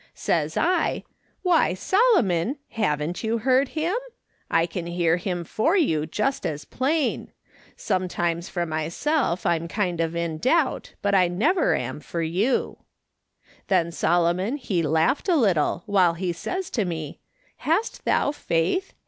Says I, ' Why, Solomon ! Haven't you heard him ? I can hear him for you, just as plain ! Sometimes for 134 ^l/A'.S . SOLOMON SMITH LOOKING ON. myself I'm kind of in (lou])t, Init I never am for you.' Then Solomon he laughed a little while he says to me :* Hast thou faith